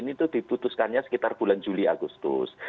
itu diputuskannya sekitar bulan juli agustus